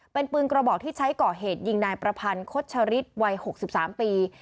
เป็นปืนกระบอกที่ใช้ก่อเหตุยิงนายประพันธ์คดชริตวัย๖๓ปี